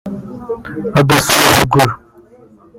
Agasuzuguro